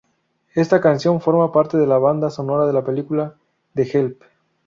Esta canción forma parte de la banda sonora de la película" The Help".